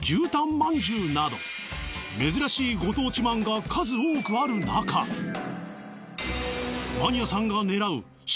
まんじゅうなど珍しいご当地まんが数多くあるなかマニアさんが狙う何？